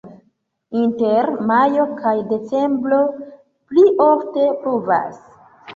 Inter majo kaj decembro pli ofte pluvas.